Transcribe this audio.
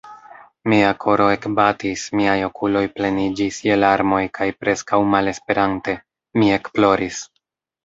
Mia koro ekbatis, miaj okuloj pleniĝis je larmoj kaj preskaŭ malesperante, mi ekploris.